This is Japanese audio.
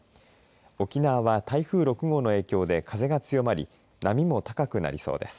沖縄は台風６号の影響で風が強まり波も高くなりそうです。